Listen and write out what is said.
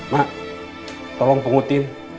mak tolong pengutin